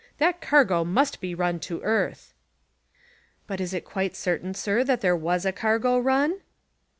That cargo must be run to earth." "But is it quite certain, sir, that there was a cargo run?"